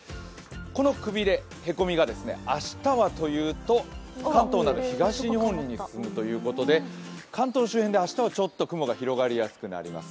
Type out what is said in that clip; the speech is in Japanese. このくびれ、へこみが明日はというと関東など東日本に進むということで関東周辺で明日はちょっと雲が広がりやすくなります。